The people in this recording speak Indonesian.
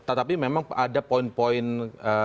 tetapi memang ada poin poin